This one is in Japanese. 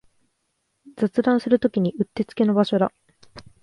雑談するときにうってつけの場所だ